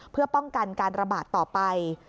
เพื่อป้องกันการระบาดต่อไป